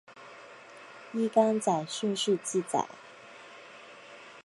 依刊载顺序记载。